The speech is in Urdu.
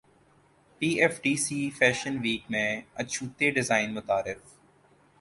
پی F D C fashion week میں اچھوتے ڈیزائن متعارف